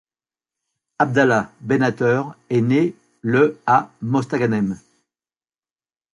Abdallah Benanteur est né le à Mostaganem.